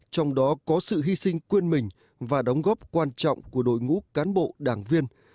trong đó có sự hy sinh quên mình và đóng góp quan trọng của đội ngũ cán bộ đảng viên